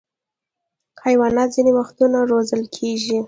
حیوانات ځینې وختونه روزل کېږي.